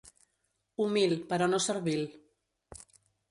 Humil, però no servil.